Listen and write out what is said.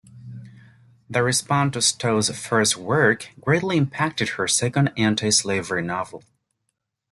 The response to Stowe's first work greatly impacted her second anti-slavery novel.